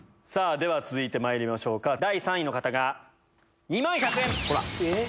続いてまいりましょうか第３位の方が２万１００円。